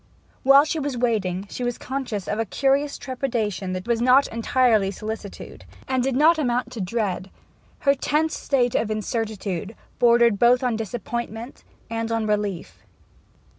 While waiting she was conscious of a curious trepidation that was not entirely solicitude, and did not amount to dread; her tense state of incertitude bordered both on disappointment and on relief.